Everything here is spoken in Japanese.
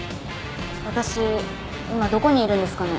私今どこにいるんですかね？